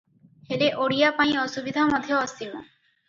ହେଲେ ଓଡ଼ିଆ ପାଇଁ ଅସୁବିଧା ମଧ୍ୟ ଅସୀମ ।